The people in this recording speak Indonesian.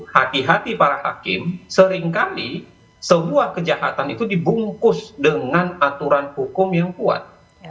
hati hati para hakim seringkali sebuah kejahatan itu dibungkus dengan aturan hukum yang kuat